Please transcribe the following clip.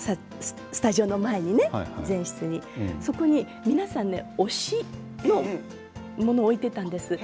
スタジオの前のね、前室にそこに皆さん推しのものを置いていたんです。